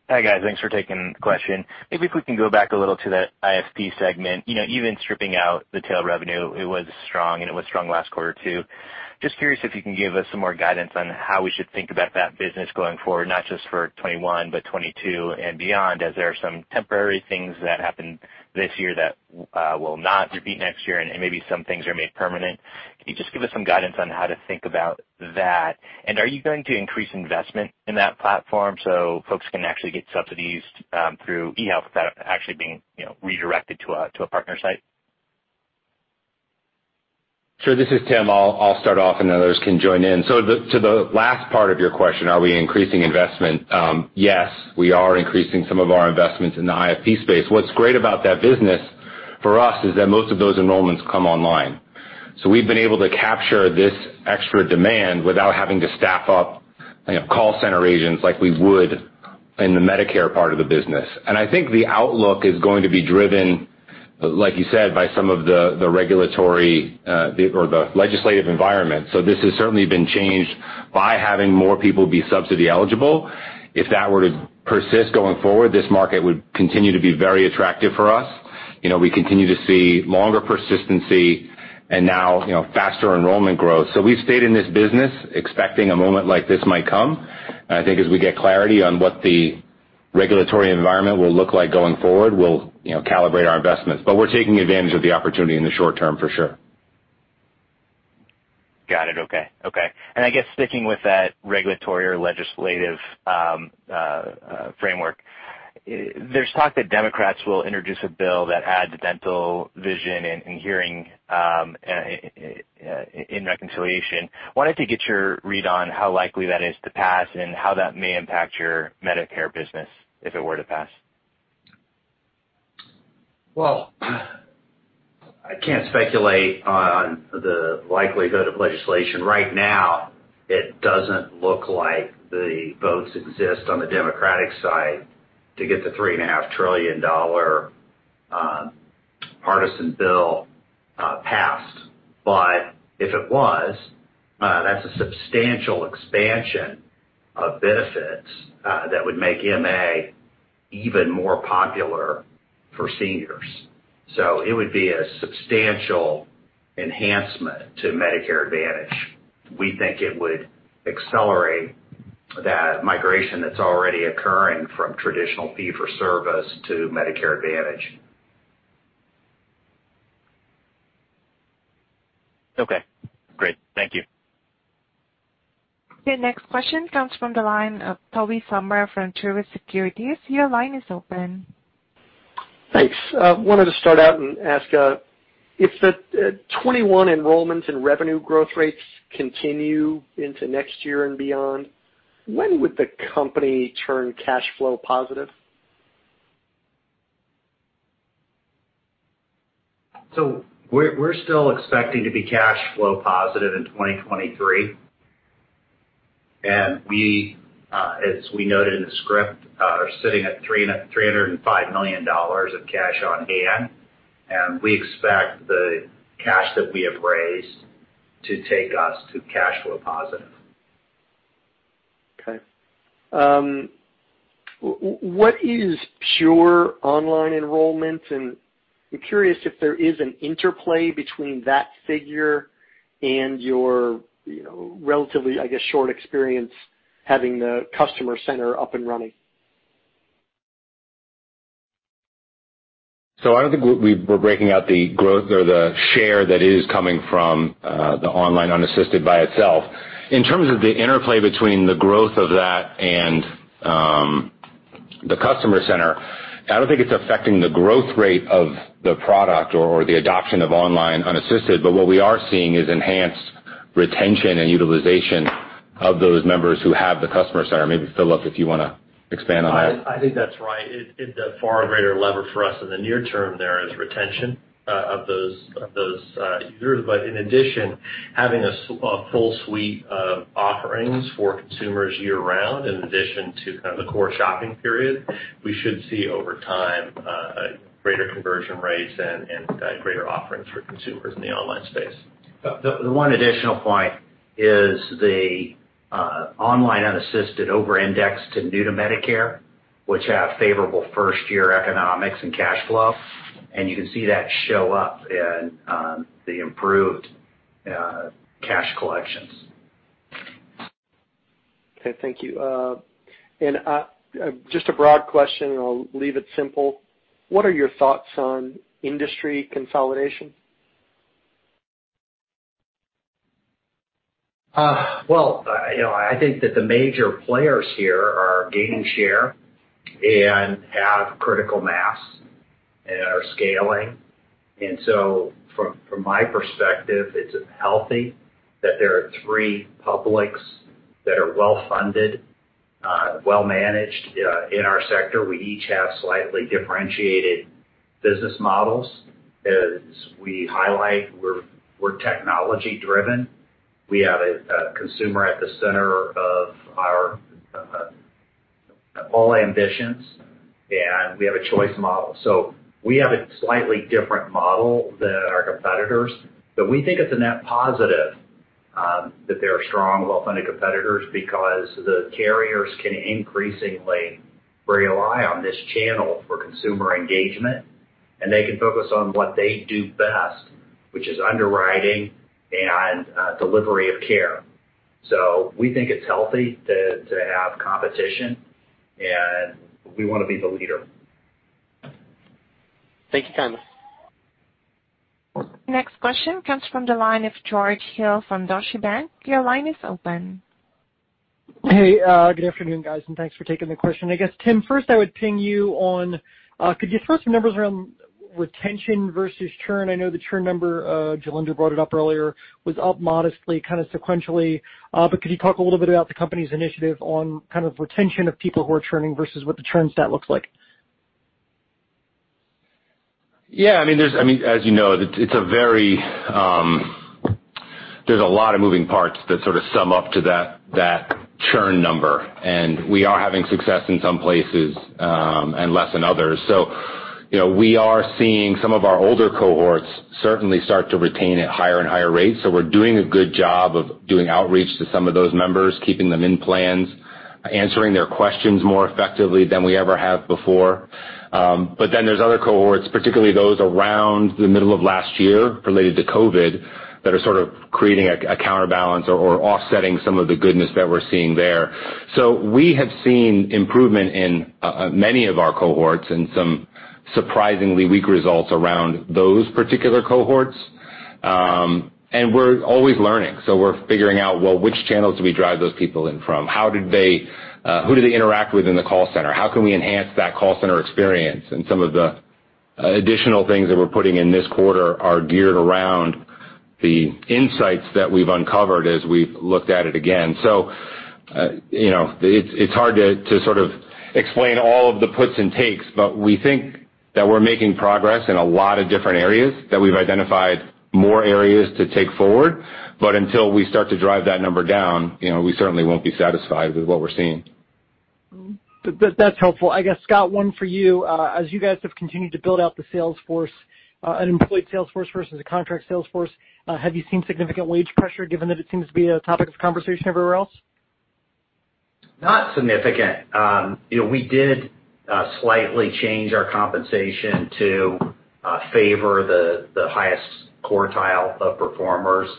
Hi, guys. Thanks for taking the question. Maybe if we can go back a little to that IFP segment. Even stripping out the tail revenue, it was strong, and it was strong last quarter, too. Just curious if you can give us some more guidance on how we should think about that business going forward, not just for 2021, but 2022 and beyond, as there are some temporary things that happened this year that will not repeat next year, and maybe some things are made permanent. Can you just give us some guidance on how to think about that? Are you going to increase investment in that platform so folks can actually get subsidies through eHealth without actually being redirected to a partner site? Sure. This is Tim. I'll start off, and others can join in. To the last part of your question, are we increasing investment? Yes, we are increasing some of our investments in the IFP space. What's great about that business for us is that most of those enrollments come online. We've been able to capture this extra demand without having to staff up call center agents like we would in the Medicare part of the business. I think the outlook is going to be driven, like you said, by some of the regulatory or the legislative environment. This has certainly been changed by having more people be subsidy eligible. If that were to persist going forward, this market would continue to be very attractive for us. We continue to see longer persistency and now faster enrollment growth. We've stayed in this business expecting a moment like this might come, and I think as we get clarity on what the regulatory environment will look like going forward, we'll calibrate our investments. We're taking advantage of the opportunity in the short term, for sure. Got it. Okay. I guess sticking with that regulatory or legislative framework, there's talk that Democrats will introduce a bill that adds dental, vision, and hearing in reconciliation. Wanted to get your read on how likely that is to pass and how that may impact your Medicare business, if it were to pass. Well, I can't speculate on the likelihood of legislation. Right now, it doesn't look like the votes exist on the Democratic side to get the $3.5 trillion partisan bill passed. If it was, that's a substantial expansion of benefits that would make MA even more popular for seniors. It would be a substantial enhancement to Medicare Advantage. We think it would accelerate that migration that's already occurring from traditional fee for service to Medicare Advantage. Okay, great. Thank you. Your next question comes from the line of Tobey Sommer from Truist Securities. Your line is open. Thanks. Wanted to start out and ask, if the 2021 enrollments and revenue growth rates continue into next year and beyond, when would the company turn cash flow positive? We're still expecting to be cash flow positive in 2023. We, as we noted in the script, are sitting at $305 million of cash on hand, and we expect the cash that we have raised to take us to cash flow positive. Okay. What is pure online enrollment? I'm curious if there is an interplay between that figure and your relatively, I guess, short experience having the Customer center up and running. I don't think we're breaking out the growth or the share that is coming from the online unassisted by itself. In terms of the interplay between the growth of that and the Customer Care Center, I don't think it's affecting the growth rate of the product or the adoption of online unassisted. What we are seeing is enhanced retention and utilization of those members who have the Customer Care Center. Maybe, Phillip, if you want to expand on that. I think that's right. The far greater lever for us in the near term there is retention of those users. In addition, having a full suite of offerings for consumers year-round, in addition to kind of the core shopping period, we should see over time, greater conversion rates and greater offerings for consumers in the online space. The one additional point is the online unassisted over indexed to new to Medicare, which have favorable first-year economics and cash flow. You can see that show up in the improved cash collections. Okay. Thank you. Just a broad question, and I'll leave it simple. What are your thoughts on industry consolidation? I think that the major players here are gaining share and have critical mass and are scaling. From my perspective, it's healthy that there are three publics that are well-funded, well-managed in our sector. We each have slightly differentiated business models. As we highlight, we're technology-driven. We have a consumer at the center of all our ambitions, and we have a choice model. We have a slightly different model than our competitors, but we think it's a net positive that there are strong, well-funded competitors because the carriers can increasingly rely on this channel for consumer engagement, and they can focus on what they do best, which is underwriting and delivery of care. We think it's healthy to have competition, and we want to be the leader. Thank you, Tim. Next question comes from the line of George Hill from Deutsche Bank. Your line is open. Hey, good afternoon, guys, and thanks for taking the question. I guess, Tim, first I would ping you on, could you share some numbers around retention versus churn? I know the churn number, Jailinder brought it up earlier, was up modestly, kind of sequentially. Could you talk a little bit about the company's initiative on kind of retention of people who are churning versus what the churn stat looks like? Yeah, as you know, there's a lot of moving parts that sort of sum up to that churn number. We are having success in some places and less in others. We are seeing some of our older cohorts certainly start to retain at higher and higher rates. We're doing a good job of doing outreach to some of those members, keeping them in plans, answering their questions more effectively than we ever have before. There's other cohorts, particularly those around the middle of last year related to COVID, that are sort of creating a counterbalance or offsetting some of the goodness that we're seeing there. We have seen improvement in many of our cohorts and some surprisingly weak results around those particular cohorts. We're always learning, we're figuring out, well, which channels do we drive those people in from? Who do they interact with in the call center? How can we enhance that call center experience? Some of the additional things that we're putting in this quarter are geared around the insights that we've uncovered as we've looked at it again. It's hard to sort of explain all of the puts and takes, but we think that we're making progress in a lot of different areas, that we've identified more areas to take forward, but until we start to drive that number down, we certainly won't be satisfied with what we're seeing. That's helpful. I guess, Scott, one for you. As you guys have continued to build out the sales force, an employed sales force versus a contract sales force, have you seen significant wage pressure given that it seems to be a topic of conversation everywhere else? Not significant. We did slightly change our compensation to favor the highest quartile of performers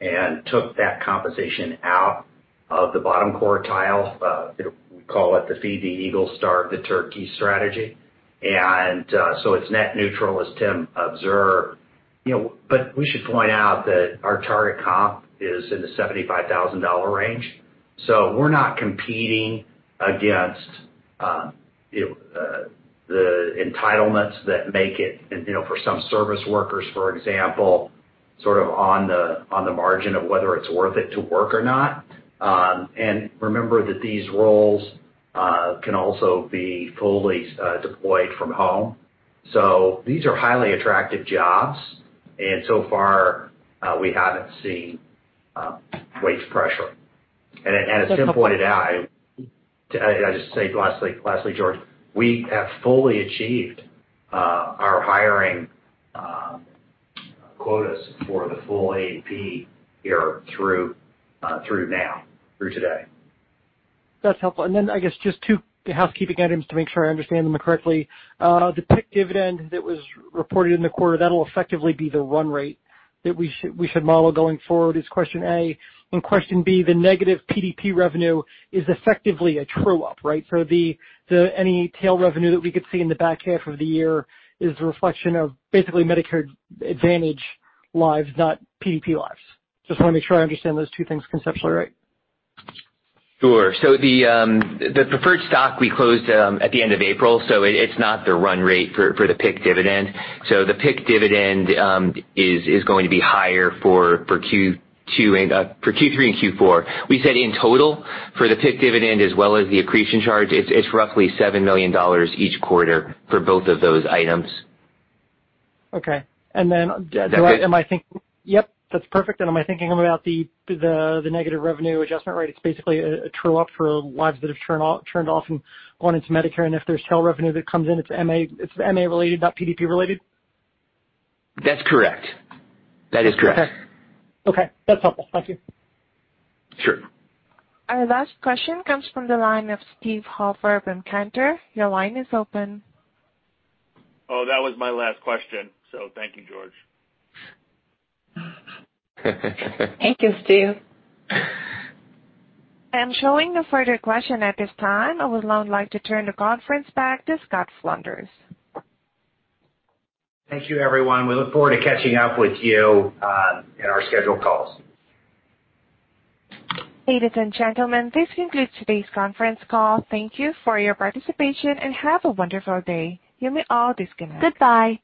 and took that compensation out of the bottom quartile. We call it the feed the eagle, starve the turkey strategy. It's net neutral, as Tim observed. We should point out that our target comp is in the $75,000 range. We're not competing against the entitlements that make it, for some service workers, for example, sort of on the margin of whether it's worth it to work or not. Remember that these roles can also be fully deployed from home. These are highly attractive jobs, and so far, we haven't seen wage pressure. As Tim pointed out, I just say lastly, George, we have fully achieved our hiring quotas for the full AEP year through now, through today. That's helpful. I guess just two housekeeping items to make sure I understand them correctly. The PIK dividend that was reported in the quarter, that'll effectively be the run rate that we should model going forward, is question A. Question B, the negative PDP revenue is effectively a true-up, right? For any tail revenue that we could see in the back half of the year is a reflection of basically Medicare Advantage lives, not PDP lives. Just want to make sure I understand those two things conceptually right. Sure. The preferred stock we closed at the end of April, so it's not the run rate for the PIK dividend. The PIK dividend is going to be higher for Q3 and Q4. We said in total, for the PIK dividend as well as the accretion charge, it's roughly $7 million each quarter for both of those items. Okay. Is that right? Yep, that's perfect. Am I thinking about the negative revenue adjustment rate? It's basically a true-up for lives that have turned off and gone into Medicare, and if there's tail revenue that comes in, it's MA related, not PDP related? That's correct. That is correct. Okay. That's helpful. Thank you. Sure. Our last question comes from the line of Steven Halper from Cantor. Your line is open. Oh, that was my last question. Thank you, George. Thank you, Steve. I'm showing no further question at this time. I would now like to turn the conference back to Scott Flanders. Thank you, everyone. We look forward to catching up with you in our scheduled calls. Ladies and gentlemen, this concludes today's conference call. Thank you for your participation, and have a wonderful day. You may all disconnect. Goodbye.